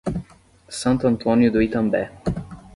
Santo Antônio do Itambé